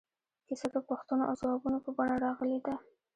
کیسه د پوښتنو او ځوابونو په بڼه راغلې ده.